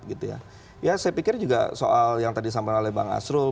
ya saya pikir juga soal yang tadi disampaikan oleh bang asrul